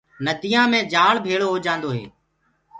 نديآ مي جآݪ ڀيݪو هوجآندو هي۔